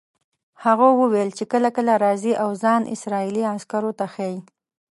هغه وویل چې کله کله راځي او ځان اسرائیلي عسکرو ته ښیي.